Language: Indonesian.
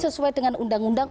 sesuai dengan undang undang